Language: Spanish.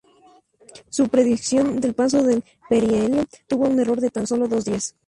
Su predicción del paso del perihelio tuvo un error de tan solo dos días.